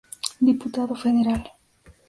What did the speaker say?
Diputado Federal.